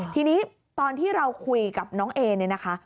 ทีนี้ตอนที่เราคุยกับน้องเอเนี่ยนะคะ